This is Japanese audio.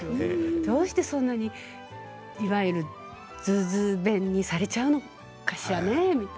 どうしてそんなにいわゆるズーズー弁にされちゃうのかしらねと。